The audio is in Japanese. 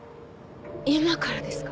今からですか？